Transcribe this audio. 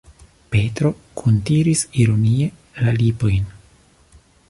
Petro kuntiris ironie la lipojn.